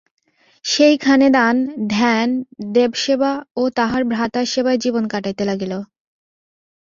সেই খানে দান, ধ্যান, দেবসেবা ও তাহার ভ্রাতার সেবায় জীবন কাটাইতে লাগিল।